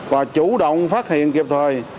và chủ động phát hiện kịp thời